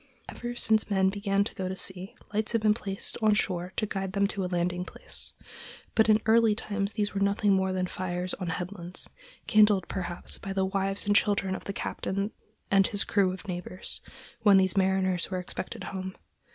Ever since men began to go to sea lights have been placed on shore to guide them to a landing place; but in early times these were nothing more than fires on headlands, kindled, perhaps, by the wives and children of the captain and his crew of neighbors, when these mariners were expected home.